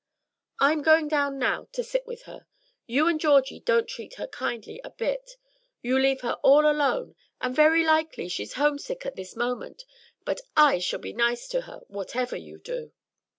I'm going down now to sit with her. You and Georgie don't treat her kindly a bit. You leave her all alone, and very likely she's homesick at this moment; but I shall be nice to her, whatever you do."